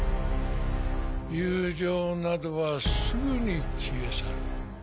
友情などはすぐに消え去る。